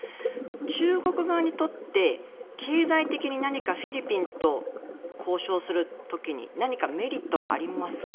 中国側にとって経済的に何かフィリピンと交渉する時に何かメリットはありますか？